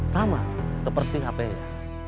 sama seperti hp nya